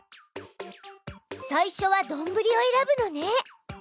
最初はどんぶりをえらぶのね！